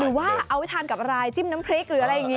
หรือว่าเอาไว้ทานกับอะไรจิ้มน้ำพริกหรืออะไรอย่างนี้